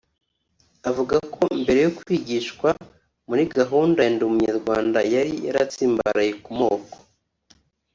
Avuga ko mbere yo kwigishwa muri gahunda ya “ndi umunyarwanda” yari yaratsimbaraye ku moko